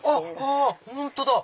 あ本当だ！